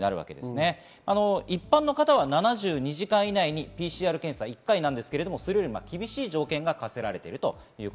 一般の方は７２時間以内にＰＣＲ検査１回ですが、それより厳しい条件が課せられています。